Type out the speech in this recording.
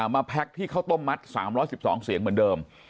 แพ็คที่ข้าวต้มมัด๓๑๒เสียงเหมือนเดิม